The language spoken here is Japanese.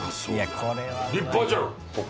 立派じゃん。